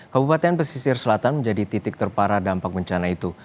kabupaten pesisir selatan menjadi titik terparah dampak bencana itu